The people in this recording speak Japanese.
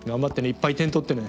いっぱい点取ってね。